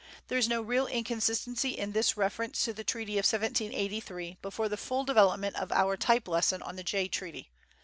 There is no real inconsistency in this reference to the treaty of 1783 before the full development of our type lesson on the Jay Treaty.